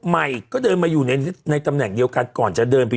ใหม่ก็เดินมาอยู่ในตำแหน่งเดียวกันก่อนจะเดินไป